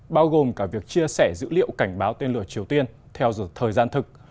bao gồm cả việc chia sẻ dữ liệu cảnh báo tên lửa triều tiên theo thời gian thực